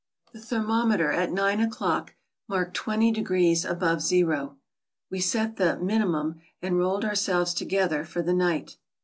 The thermometer at nine o'clock marked twenty degrees above zero. We set the "minimum " and rolled ourselves together for the night.